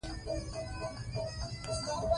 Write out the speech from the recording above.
چي ګټو يې په زحمت او په دردونو